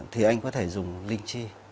thì anh có thể dùng linh chi